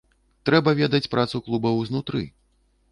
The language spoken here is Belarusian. Трэба ведаць працу клубаў знутры.